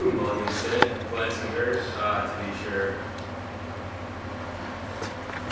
Mulligan said, glancing at her. Ah, to be sure!